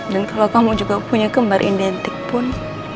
dan kalau kamu juga punya kembar identik pun